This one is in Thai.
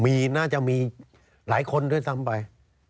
น่าจะมีหลายคนด้วยซ้ำไป